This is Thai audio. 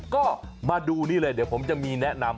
ก็มาดูนี่เลยเดี๋ยวผมจะมีแนะนำ